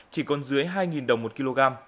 chỉ còn dưới hai đồng một kg